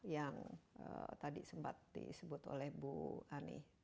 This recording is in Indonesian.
yang tadi sempat disebut oleh bu ani